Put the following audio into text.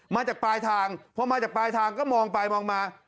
มาจากปลายทางพอมาจากปลายทางก็มองไปมองมา